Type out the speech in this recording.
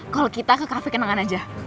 kalau kita ke cafe kenangan aja